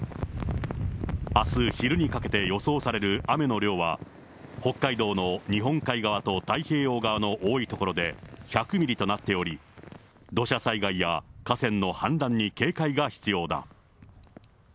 あす昼にかけて予想される雨の量は、北海道の日本海側と太平洋側の多い所で１００ミリとなっており、土砂災害や河川の氾濫に警戒が必要だ。